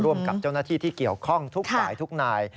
ร่วมกับเจ้าหน้าที่ที่เกี่ยวข้องทุกฝ่ายทุกนาย